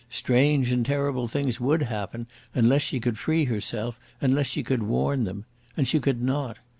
Strange and terrible things would happen unless she could free herself, unless she could warn them. And she could not.